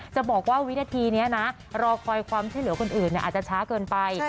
จะบอกว่าวินาทีนี้นะรอคอยความช่วยเหลือคนอื่นอาจจะช้าเกินไป